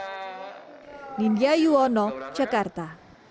dimulai ninja yuono jakarta